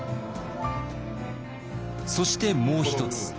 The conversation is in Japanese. そしてもう一つ。